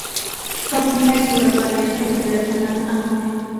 Por fin hay cura para esa enfermedad llamada amor.